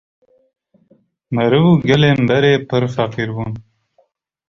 Meriv û gelên berê pir feqîr bûn